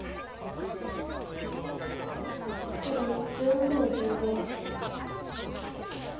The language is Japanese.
白１６の十五。